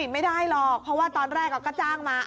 ไม่ได้หรอกเพราะว่าตอนแรกก็จ้างมา